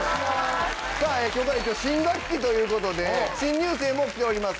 今日から新学期ということで新入生も来ております